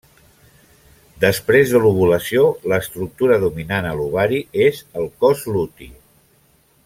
Després de l'ovulació l'estructura dominant a l'ovari és el cos luti.